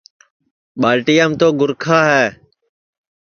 ٻالٹیام تو گُرکھا ہے